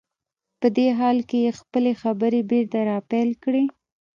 په دې حالت کې يې خپلې خبرې بېرته را پيل کړې.